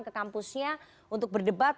ke kampusnya untuk berdebat